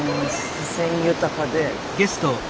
自然豊かで。